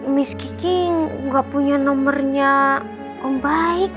miss kiki nggak punya nomernya om baik